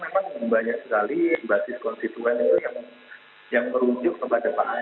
karena memang banyak sekali basis konstituen itu yang merujuk kepada pak amin